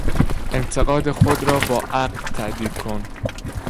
انتقاد خود را با عقل تعدیل کن.